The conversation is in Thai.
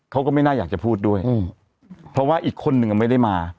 เขาก็ไม่น่าอยากจะพูดด้วยเพราะว่าอีกคนนึงไม่ได้มา